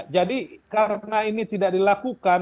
jadi karena ini tidak dilakukan